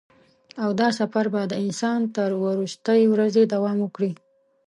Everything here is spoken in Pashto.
او دا سفر به د انسان تر وروستۍ ورځې دوام وکړي.